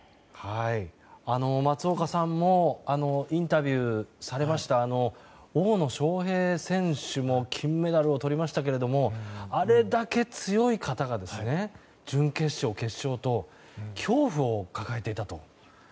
松岡さんもインタビューされました大野将平選手も金メダルをとりましたけれどもあれだけ強い方が準決勝、決勝と恐怖を抱えていたと。